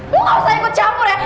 lo nggak usah ikut campur ya